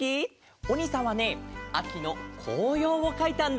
おにいさんはねあきのこうようをかいたんだ！